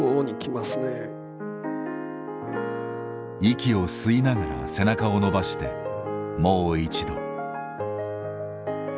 息を吸いながら背中を伸ばしてもう一度。